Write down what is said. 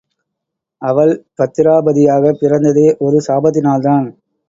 அவள் பத்திராபதியாகப் பிறந்ததே ஒரு சாபத்தினால்தான்.